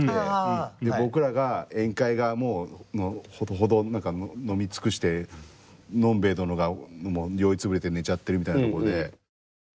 で僕らが宴会がもうほどほど何か飲み尽くしてのんべえ殿がもう酔い潰れて寝ちゃってるみたいなとこで。